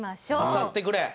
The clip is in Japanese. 刺さってくれ！